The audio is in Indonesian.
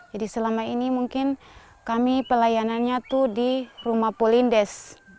jadi selama ini mungkin kami pelayanannya itu di rumah polindes